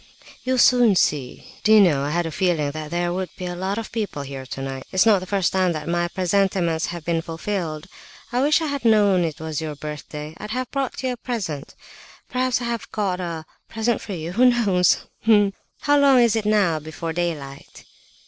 "You'll soon see. D'you know I had a feeling that there would be a lot of people here tonight? It's not the first time that my presentiments have been fulfilled. I wish I had known it was your birthday, I'd have brought you a present—perhaps I have got a present for you! Who knows? Ha, ha! How long is it now before daylight?"